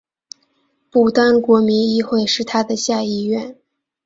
不丹国民议会是它的下议院。